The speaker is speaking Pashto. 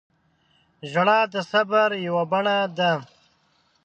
• ژړا د صبر یوه بڼه ده.